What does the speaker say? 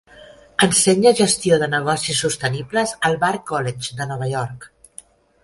Ensenya gestió de negocis sostenibles al Bard College de Nova York.